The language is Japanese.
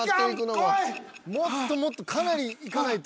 ［もっともっとかなりいかないと］